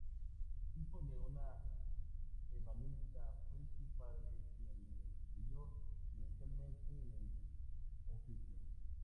Hijo de un ebanista, fue su padre quien le instruyó inicialmente en el oficio.